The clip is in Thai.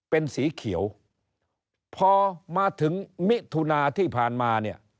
เป็นสีเขียวพอมาถึงมิถุนาที่ผ่านมาเนี่ย